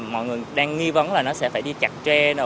mọi người đang nghi vấn là nó sẽ phải đi chặt tre